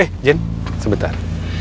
eh jin sebentar